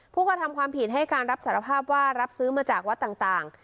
ผู้กระทำความผิดให้การรับสารภาพว่ารับซื้อมาจากวัดต่าง